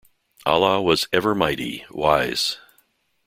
Allah was ever Mighty, wise.